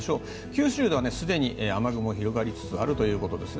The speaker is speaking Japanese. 九州ではすでに雨雲が広がりつつあるということです。